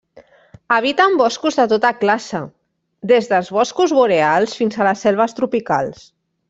Habiten boscos de tota classe, des dels boscos boreals fins a les selves tropicals.